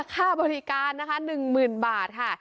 ค่าบริการนะคะ๑๐๐๐บาทค่ะ